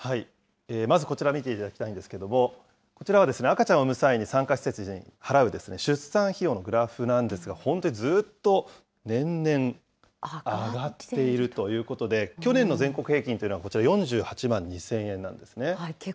まずこちら見ていただきたいんですけれども、こちらは、赤ちゃんを産む際に産科施設に払う出産費用のグラフなんですが、本当にずっと年々上がっているということで、去年の全国平均というのは、こちら、４８万２０００円なんですね。